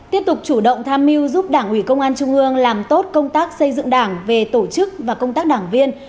tiếp tục chủ động tham mưu giúp đảng ủy công an trung ương làm tốt công tác xây dựng đảng về tổ chức và công tác đảng viên